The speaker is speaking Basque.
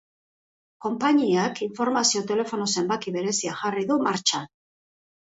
Konpainiak informazio telefono zenbaki berezia jarri du martxan.